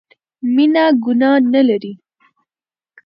مينه ګناه نه لري